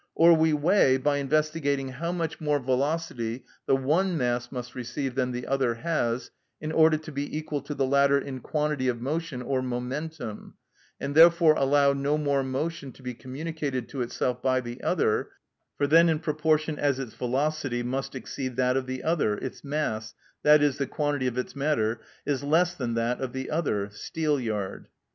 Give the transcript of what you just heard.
Or we weigh, by investigating how much more velocity the one mass must receive than the other has, in order to be equal to the latter in quantity of motion or momentum, and therefore allow no more motion to be communicated to itself by the other; for then in proportion as its velocity must exceed that of the other, its mass, i.e., the quantity of its matter, is less than that of the other (steelyard).